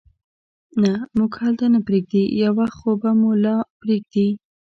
نه، موږ هلته نه پرېږدي، یو وخت خو به مو لا پرېږدي.